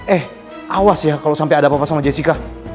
eh awas ya kalau sampai ada apa apa sama jessica